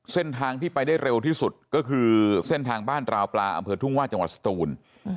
เส้นทางที่ไปได้เร็วที่สุดก็คือเส้นทางบ้านราวปลาอำเภอทุ่งว่าจังหวัดสตูน